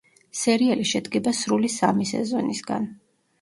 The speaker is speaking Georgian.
სერიალი შედგება სრული სამი სეზონისგან.